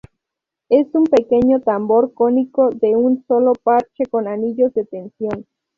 Es un pequeño tambor cónico de un solo parche con anillos de tensión.